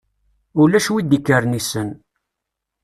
Ulac wi d-ikkren issen.